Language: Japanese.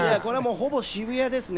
ほぼ渋谷ですね。